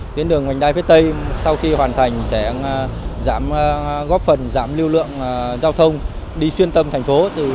tuyến đường vành đai phía tây sau khi hoàn thành sẽ góp phần giảm lưu lượng giao thông đi xuyên tâm thành phố